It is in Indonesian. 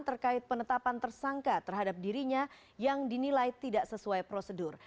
terkait penetapan tersangka terhadap dirinya yang dinilai tidak sesuai prosedur